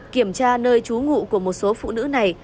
kiểm tra nơi trú ngụ của một số phụ nữ này